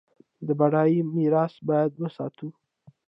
دا بډایه میراث باید وساتو.